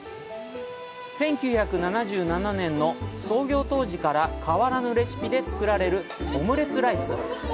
１９７７年の創業当時から変わらぬレシピで作られるオムレツライス。